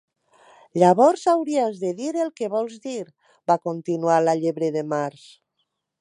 "Llavors hauries de dir el que vols dir", va continuar la Llebre de Març.